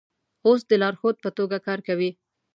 اوس د لارښود په توګه کار کوي.